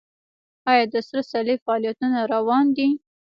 آیا د سره صلیب فعالیتونه روان دي؟